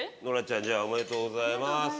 ノラちゃんじゃあおめでとうございます。